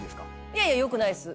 いやいや良くないっす。